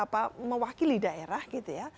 apa mewakili daerah gitu ya